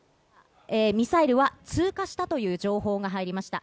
ミサイルが通過したという情報が入りました。